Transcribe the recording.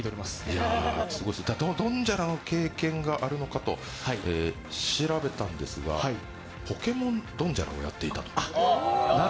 いや、「ドンジャラ」は経験があるのかと調べたんですが、「ポケモンドンジャラ」をやっていたと。